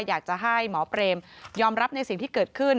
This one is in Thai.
อยากจะให้หมอเปรมยอมรับในสิ่งที่เกิดขึ้น